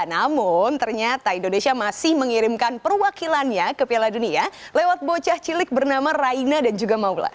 namun ternyata indonesia masih mengirimkan perwakilannya ke piala dunia lewat bocah cilik bernama raina dan juga maula